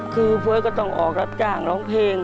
คือเฟิร์สก็ต้องออกรับจ้างร้องเพลง